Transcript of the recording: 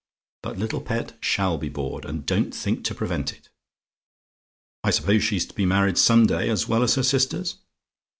But little pet SHALL be bored, and don't think to prevent it. "I suppose she's to be married some day, as well as her sisters?